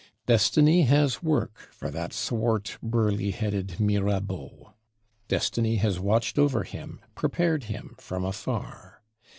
Destiny has work for that swart, burly headed Mirabeau; Destiny has watched over him, prepared him from afar.